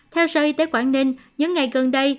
theo sở y tế quảng ninh những ngày gần đây